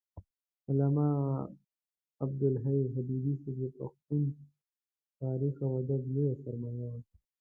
علامه عبدالحی حبیبي د پښتون تاریخ او ادب لوی سرمایه و